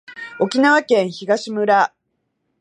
沖縄県東村